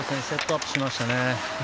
セットアップしましたね。